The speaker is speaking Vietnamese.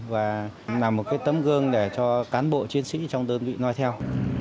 và làm một cái tấm gương để cho cán bộ chiến sĩ trong đơn vị nói theo